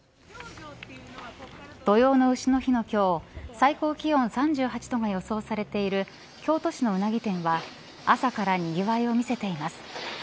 土用の丑の日の今日最高気温３８度が予想されている京都市のウナギ店は朝からにぎわいを見せています。